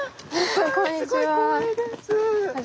こんにちは。